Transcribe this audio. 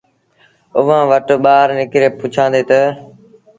اُئآݩٚ وٽ ٻآهر نڪري پُڇيآندي تا